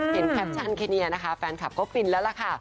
แคปชั่นเคเนียนะคะแฟนคลับก็ฟินแล้วล่ะค่ะ